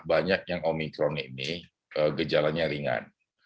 banyaknya omikron ini gejalanya ringan